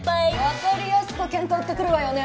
わかりやすく喧嘩売ってくるわよね